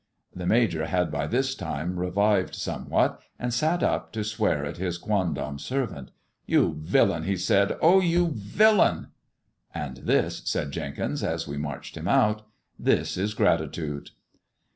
The Major had by this time revived somewhat, and sat up to swear at his quondam servant. " You villain !" he said, " oh, you villain !"'' And this," said Jenkins^ as we marched him out, " this is gratitude."